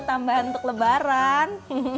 tambahan untuk lebaran